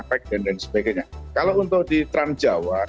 baik nanti di cikampek dan sebagainya kalau untuk di transbank nanti kita tarik saja